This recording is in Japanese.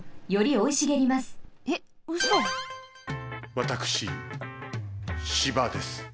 わたくし芝です。